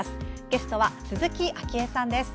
ゲストは、鈴木あきえさんです。